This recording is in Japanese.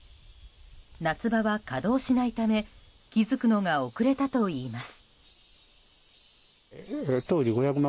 夏場は稼働しないため気づくのが遅れたといいます。